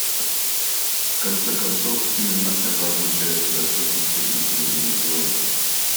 В конце концов, именно это означает подотчетность перед населением региона.